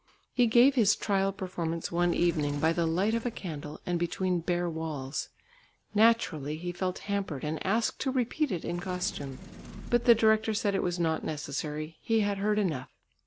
He gave his trial performance one evening by the light of a candle and between bare walls. Naturally he felt hampered and asked to repeat it in costume. But the director said it was not necessary; he had heard enough.